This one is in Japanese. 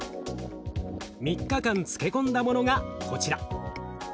３日間漬け込んだものがこちら。